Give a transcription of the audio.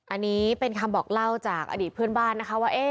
อันนี้เป็นคำบอกเล่าจากอดีตเพื่อนบ้านนะคะว่า